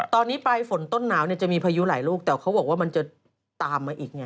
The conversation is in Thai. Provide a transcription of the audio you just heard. ตอนนี้ปลายฝนต้นหนาวเนี่ยจะมีพายุหลายลูกแต่เขาบอกว่ามันจะตามมาอีกไง